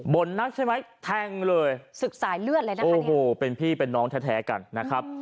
บ่นนักใช่ไหมแทงเลยโอ้โหเป็นพี่เป็นน้องแท้กันนะครับ